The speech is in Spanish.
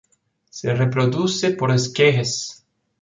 Se reproduce por esquejes.